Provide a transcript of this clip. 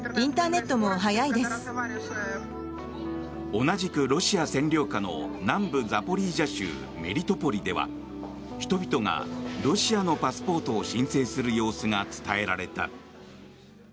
同じく、ロシア占領下の南部ザポリージャ州メリトポリでは人々がロシアのパスポートを申請する様子が伝えられた。